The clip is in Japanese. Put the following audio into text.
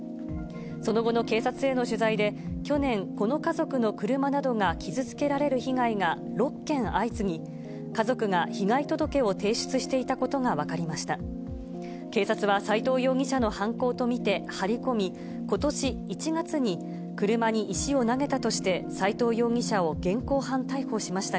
その後の警察への取材で、去年、この家族の車などが傷つけられる被害が６件相次ぎ、家族が被害届を提出していたことが分かりました。